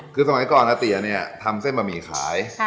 คือสมัยก่อนอาเตี๋ยเนี่ยทำเส้นบะหมี่ขาย